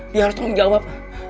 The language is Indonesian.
dia harus tanggung jawab